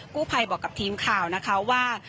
กู้ภัยบอกกับทีมข่าวนะคะว่า